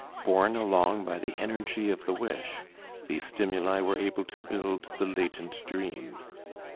Borne along by the energy of the wish, these stimuli were able to build the latent dream.